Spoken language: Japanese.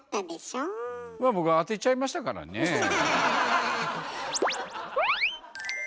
まあ僕は当てちゃいましたからねぇ。